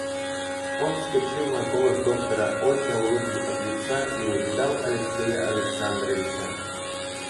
Он вскочил на голос доктора, отнял руки от лица и увидал Алексея Александровича.